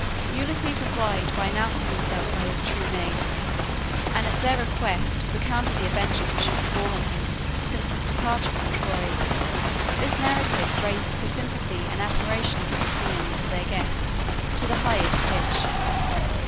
Ulysses replied by announcing himself by his true name, and at their request, recounted the adventures which had befallen him since his departure from Troy. This narrative raised the sympathy and admiration of the Phaeacians for their guest to the highest pitch.